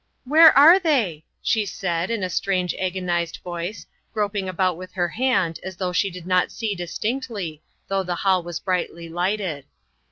"Where are they?" she said, in a strange, agonized" voice, groping about with her hand as though she did not see distinctly, though the hall was brightly lighted.